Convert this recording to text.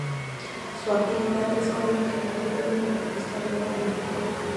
Su agilidad es mayor que la de un medallista de oro olímpico.